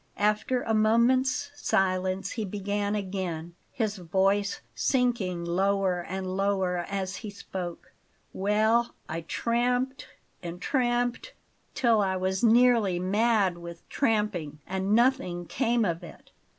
After a moment's silence he began again, his voice sinking lower and lower as he spoke: "Well, I tramped, and tramped, till I was nearly mad with tramping, and nothing came of it.